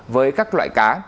với các loại cá